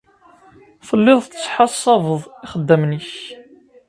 Telliḍ tettḥasabeḍ ixeddamen-nnek.